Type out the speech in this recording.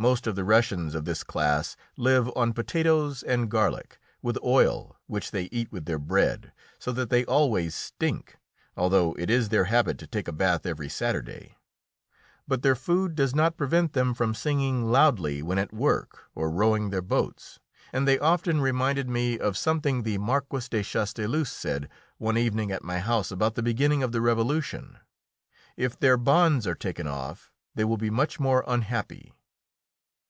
Most of the Russians of this class live on potatoes and garlic, with oil, which they eat with their bread, so that they always stink, although it is their habit to take a bath every Saturday. But their food does not prevent them from singing loudly when at work or rowing their boats, and they often reminded me of something the Marquis de Chastellux said one evening at my house about the beginning of the Revolution: "If their bonds are taken off they will be much more unhappy!"